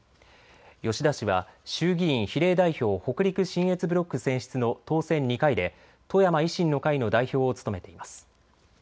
吉田氏は衆議院比例代表北陸信越ブロック選出の当選２回で富山維新の会の代表を務めています。